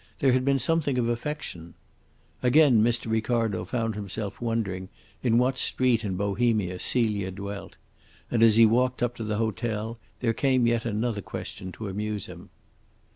There had been something of affection. Again Mr. Ricardo found himself wondering in what street in Bohemia Celia dwelt and as he walked up to the hotel there came yet other questions to amuse him.